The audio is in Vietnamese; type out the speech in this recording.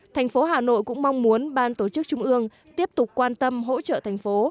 thành phố hà nội cũng mong muốn ban tổ chức trung ương tiếp tục quan tâm hỗ trợ thành phố